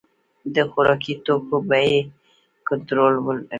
د خوراکي توکو بیې کنټرولیږي